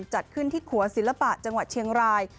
จัดขึ้นที่ขัวศิลปะจังหวัดเชียงราย